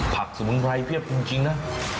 สมุนไพรเพียบจริงนะ